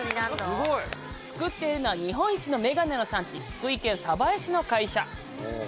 作っているのは日本一のメガネの産地福井県江市の会社！